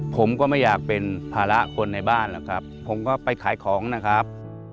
ผมก็ไม่อยากเป็นภาระคนในบ้านหรอกครับผมก็ไปขายของนะครับ